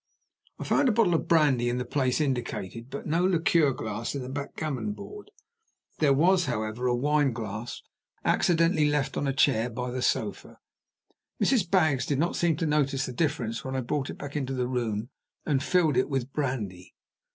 I found the bottle of brandy in the place indicated, but no liqueur glass in the backgammon board. There was, however, a wine glass, accidentally left on a chair by the sofa. Mrs. Baggs did not seem to notice the difference when I brought it into the back room and filled it with brandy.